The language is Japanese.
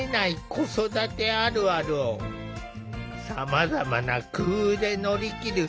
子育てあるあるをさまざまな工夫で乗り切る真大さんだ。